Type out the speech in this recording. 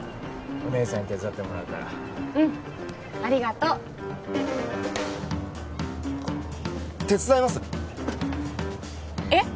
お姉さんに手伝ってもらうからうんありがとう手伝いますえっ！？